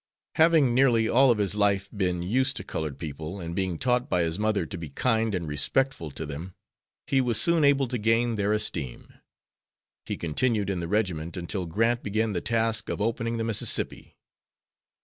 Having nearly all of his life been used to colored people, and being taught by his mother to be kind and respectful to them, he was soon able to gain their esteem. He continued in the regiment until Grant began the task of opening the Mississippi.